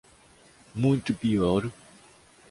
Muito pior